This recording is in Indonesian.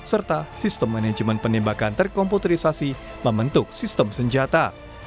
serta sistem manajemen penembakan terkomputerisasi membentuk sistem senjata